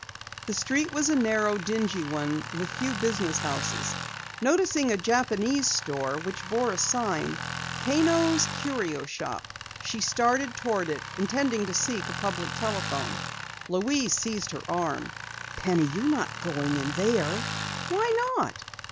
The street was a narrow, dingy one with few business houses. Noticing a Japanese store which bore a sign, "Kano's Curio Shop," she started toward it, intending to seek a public telephone. Louise seized her arm. "Penny, you're not going in there!" "Why not?"